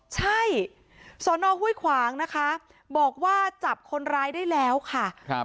ใช่สอนอห้วยขวางนะคะบอกว่าจับคนร้ายได้แล้วค่ะ